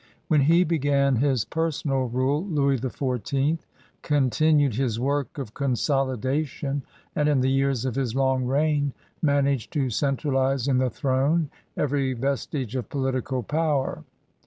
When he began his personal rule, Louis XIV continued his work of consolidation and in the years of his long reign managed to centralize in the throne every vestige of political power.